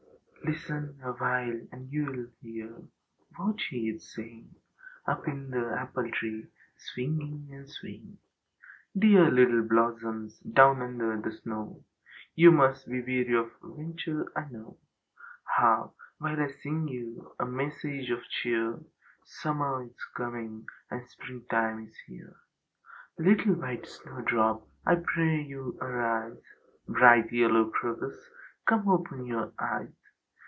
Listen awhile, and you 'll hear what he 's saying Up in the apple tree swinging and swaying: " Dear little blossoms down under the snow, You must be weary of winter, I know. Hark while I sing you a message of cheer: Summer is coming, and springtime is here. Little white snowdrop, I pray you arise! Bright yellow crocus, come open your eyes!